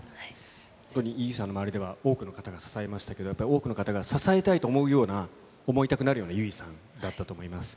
本当に優生さんの周りでは、多くの方が支えましたけど、多くの方が支えたいと思うような、思いたくなるような優生さんだったと思います。